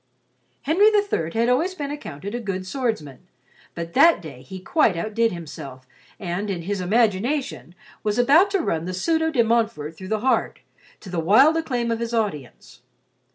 Henry III had always been accounted a good swordsman, but that day he quite outdid himself and, in his imagination, was about to run the pseudo De Montfort through the heart, to the wild acclaim of his audience.